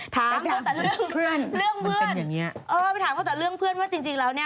ถามตัวแต่เรื่องเพื่อน